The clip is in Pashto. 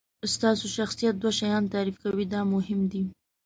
ستاسو شخصیت دوه شیان تعریف کوي دا مهم دي.